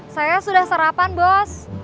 saya sudah sarapan bos